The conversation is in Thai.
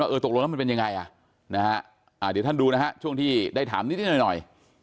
เออตกลงแล้วมันเป็นยังไงอ่ะนะฮะเดี๋ยวท่านดูนะฮะช่วงที่ได้ถามนิดหน่อย